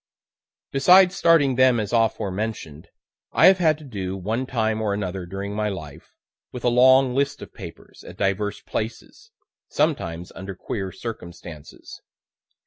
Besides starting them as aforementioned, I have had to do, one time or another, during my life, with a long list of papers, at divers places, sometimes under queer circumstances.